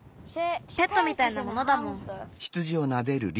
ペットみたいなものだもん。